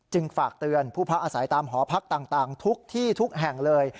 ฝากเตือนผู้พักอาศัยตามหอพักต่างทุกที่ทุกแห่งเลย